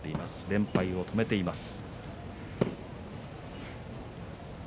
連敗を止めています。